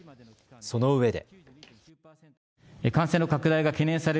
そのうえで。